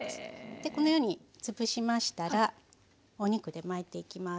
このように潰しましたらお肉で巻いていきます。